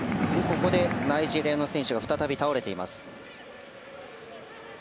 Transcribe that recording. ここでナイジェリアの選手が再び倒れています。